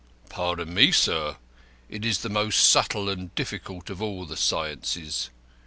"Pardon me, sir. It is the most subtle and difficult of all the sciences.